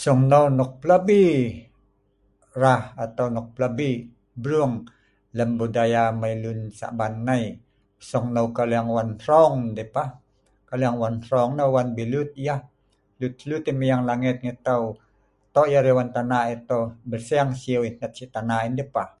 Sungneu nok pelabi ra' atau nok pelabi brung lem budaya amai lun Saban nai, sungneu Kaleng wan hrong endeh pah. Kaleng wan hrong nah wan bilut yah hlut hlut yah mai yang langet ngai tau toh' yah arai wan tanah ai tau belseng siu yah hnet wan tanah ai deh pah.